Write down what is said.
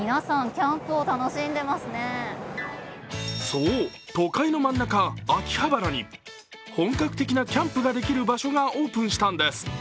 そう、都会の真ん中、秋葉原に本格的なキャンプができる場所がオープンしたんです。